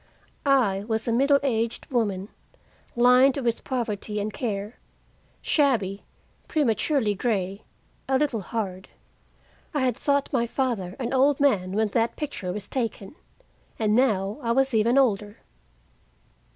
I was a middle aged woman, lined with poverty and care, shabby, prematurely gray, a little hard. I had thought my father an old man when that picture was taken, and now I was even older.